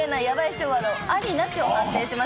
昭和のありなしを判定します。